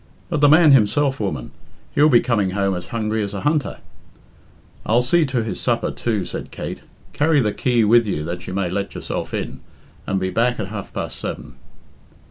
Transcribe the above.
"But the man himself, woman; he'll be coming home as hungry as a hunter." "I'll see to his supper, too," said Kate. "Carry the key with you that you may let yourself in, and be back at half past seven."